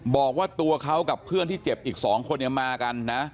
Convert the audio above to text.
บอกว่าตัวเขากับเพื่อนที่เจ็บอีก๒คนมากันนะ